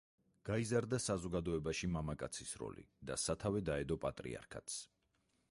გაიზარდა საზოგადოებაში მამაკაცის როლი და სათავე დაედო პატრიარქატს.